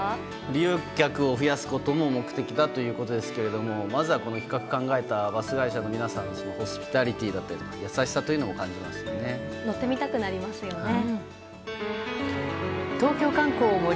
利用客を増やすことも目的だということですけどまずはこの企画を考えたバス会社の皆さんのホスピタリティーや優しさというのを感じましたね。